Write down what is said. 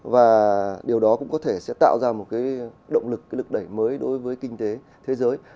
và điều đó cũng có thể sẽ tạo ra một động lực lực đẩy mới đối với kinh tế thế giới này